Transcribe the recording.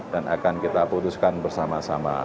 dan akan kita putuskan bersama sama